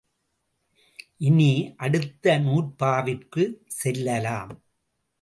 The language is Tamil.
இனி அடுத்த நூற்பாவிற்குச் செல்லலாம்.